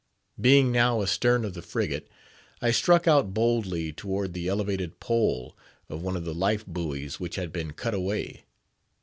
Being now astern of the frigate, I struck out boldly toward the elevated pole of one of the life buoys which had been cut away.